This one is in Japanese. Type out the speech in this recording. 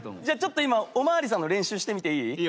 じゃあちょっと今お巡りさんの練習してみていい？